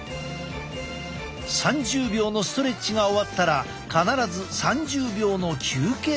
３０秒のストレッチが終わったら必ず３０秒の休憩をすること。